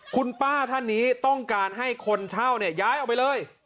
คุณป้าท่านนี้ต้องการให้คนเช่าเนี่ยย้ายออกไปเลย